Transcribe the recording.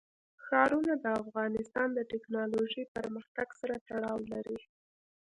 ښارونه د افغانستان د تکنالوژۍ پرمختګ سره تړاو لري.